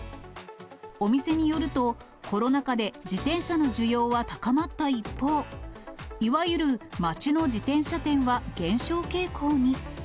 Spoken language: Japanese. お店によると、コロナ禍で自転車の需要は高まった一方、いわゆる町の自転車店は減少傾向に。